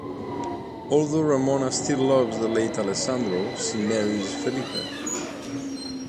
Although Ramona still loves the late Alessandro, she marries Felipe.